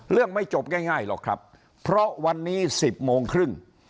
ไม่จบง่ายหรอกครับเพราะวันนี้๑๐โมงครึ่ง